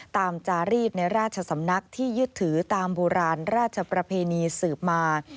จารีสในราชสำนักที่ยึดถือตามโบราณราชประเพณีสืบมา